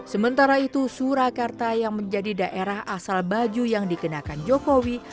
sementara itu surakarta yang menjadi daerah asal baju yang dikenakan jokowi